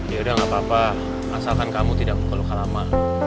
ya udah nggak apa apa asalkan kamu tidak berkeluh kalama